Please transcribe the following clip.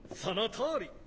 そのとおり！